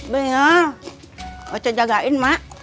bener oco jagain mak